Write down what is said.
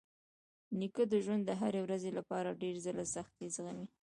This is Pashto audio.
نیکه د ژوند د هرې ورځې لپاره ډېر ځله سختۍ زغمي.